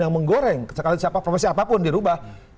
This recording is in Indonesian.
yang menggoreng sekalian siapa siapapun dirubah